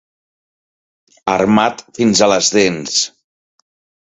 Armat fins a les dents.